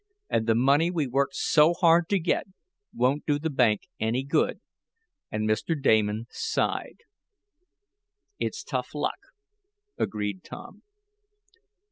"And the money we worked so hard to get won't do the bank any good," and Mr. Damon sighed. "It's tough luck," agreed Tom.